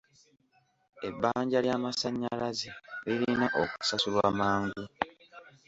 Ebbanja ly'amasannyalaze lirina okusasulwa mangu.